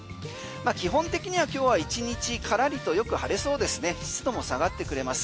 基本的には今日は１日カラリとよく晴れそうですね湿度も下がってくれます。